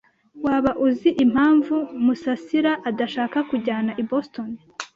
Waba uzi impamvu Musasira adashaka kujyana i Boston?